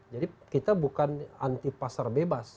jadi kita bukan anti pasar bebas